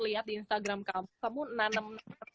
lihat di instagram kamu kamu nanem